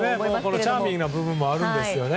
チャーミングな部分もあるんですよね。